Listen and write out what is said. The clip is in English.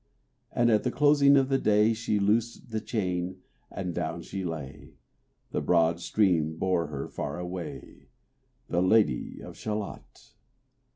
And at the closing of the day She loosed the chain, and down she lay; The broad stream bore her far away, The Lady of Shalott.